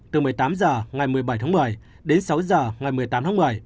từ một mươi tám h ngày một mươi bảy tháng một mươi đến sáu h ngày một mươi tám tháng một mươi